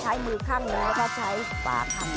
ใช้มือข้างหนึ่งก็ใช้ฝาข้างหนึ่ง